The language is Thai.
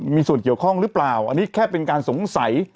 มีส่วนเกี่ยวข้องหรือเปล่าอันนี้แค่เป็นการสงสัย